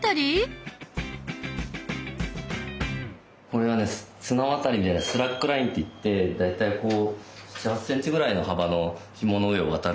これはね綱渡りでスラックラインっていって大体こう７８センチぐらいの幅のひもの上を渡るトレーニングですね。